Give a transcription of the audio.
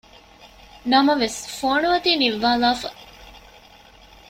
ނަމަވެސް ފޯނު އޮތީ ނިއްވާލާފަ